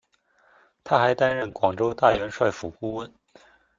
他还担任广州大元帅府顾问。